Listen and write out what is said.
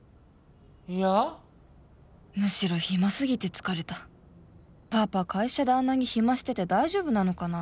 いやむしろ暇すぎて疲れたパパ会社であんなに暇してて大丈夫なのかな？